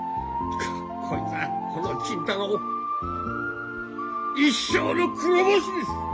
こいつはこの金太郎一生の黒星です。